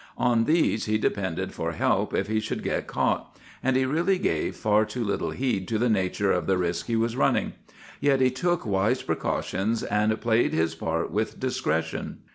On these he depended for help if he should get caught; and he really gave far too little heed to the nature of the risk he was running. Yet he took wise precautions, and played his part with discretion.